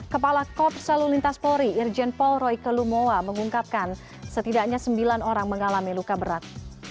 kepala korps lalu lintas polri irjen paul royke lumowa mengungkapkan setidaknya sembilan orang mengalami luka berat